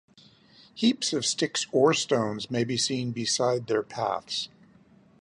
Heaps of sticks or stones may be seen beside their paths.